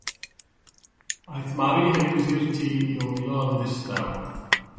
Aeth Mari Huws i'r tŷ i wylo yn ddistaw.